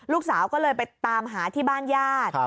ลูกสาวก็เลยไปตามหาที่บ้านญาติ